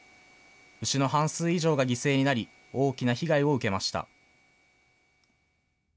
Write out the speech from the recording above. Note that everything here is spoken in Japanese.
牛の半数以上が犠牲になり、大きな被害を受けました。